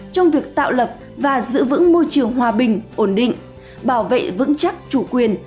trong việc tạo lập và giữ vững môi trường hòa bình ổn định bảo vệ vững chắc chủ quyền